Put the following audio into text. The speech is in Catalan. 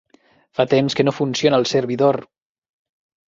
Fa temps que no funciona el servidor.